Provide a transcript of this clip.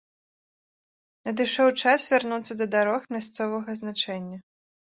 Надышоў час вярнуцца да дарог мясцовага значэння.